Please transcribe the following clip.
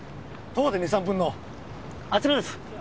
徒歩で２３分のあちらです。